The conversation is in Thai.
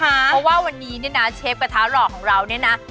เพราะว่าวันนี้เนี่ยนะเชฟกระทะหล่อของเราเนี่ยนะ